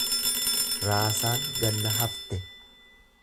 Raasaan ganna hafte.